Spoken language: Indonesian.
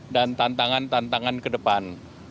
dan tantangan tantangan ke depan